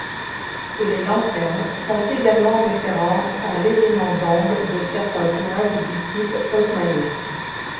Les lanternes font également référence à l'élément d'angle de certains immeubles du type haussmannien.